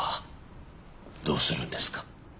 どうするんですか。